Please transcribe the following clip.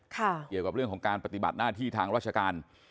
เกี่ยวกับเรื่องของการปฏิบัติหน้าที่ทางราชการ